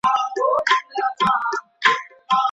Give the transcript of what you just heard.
که په کلیپ کي رڼا کمه وي نو رنګونه یې برابر کړه.